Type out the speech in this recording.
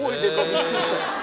びっくりした。